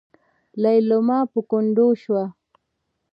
ليلما په ګونډو شوه.